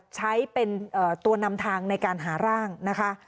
ใช้เป็นตัวนำทางในการหาร่างนะคะ